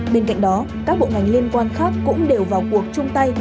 bên cạnh đó các bộ ngành liên quan khác cũng đều vào cuộc chung tay